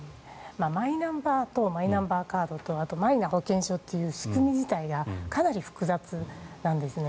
マイナンバーとマイナンバーカードとあと、マイナ保険証という仕組み自体がかなり複雑なんですね。